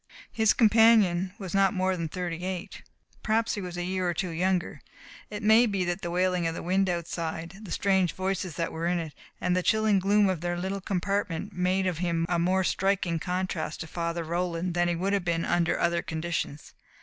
His companion was not more than thirty eight. Perhaps he was a year or two younger. It may be that the wailing of the wind outside, the strange voices that were in it and the chilling gloom of their little compartment made of him a more striking contrast to Father Roland than he would have been under other conditions.